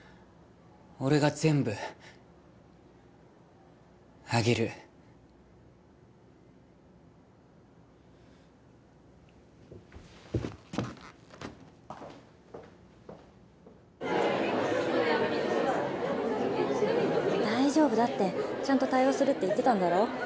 俺が全部あげる大丈夫だってちゃんと対応するって言ってたんだろ？